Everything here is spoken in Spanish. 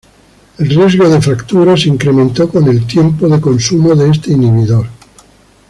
El riesgo de fractura se incrementó con el tiempo de consumo de este inhibidor.